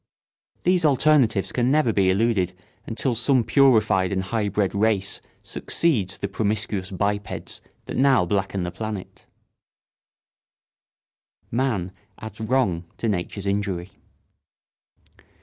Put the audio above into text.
These alternatives can never be eluded until some purified and high bred race succeeds the promiscuous bipeds that now blacken the planet. [Sidenote: Man adds wrong to nature's injury.